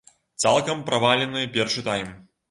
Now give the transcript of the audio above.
Цалкам правалены першы тайм.